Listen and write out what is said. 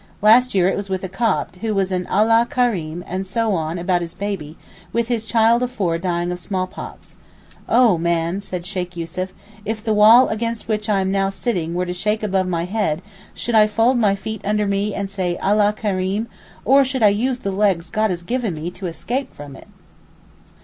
Last year it was with a Copt, who was all Allah kereem and so on about his baby, with his child of four dying of small pox. 'Oh, man,' said Sheykh Yussuf, 'if the wall against which I am now sitting were to shake above my head, should I fold my feet under me and say Allah kereem, or should I use the legs God has given me to escape from it?